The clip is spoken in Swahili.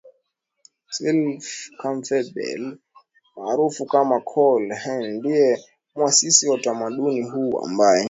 Clive Campbell maarufu kama Kool Herc ndie mwasisi wa utamaduni huu ambae